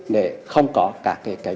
để không có các bệnh nhân